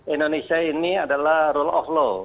indonesia ini adalah rule of law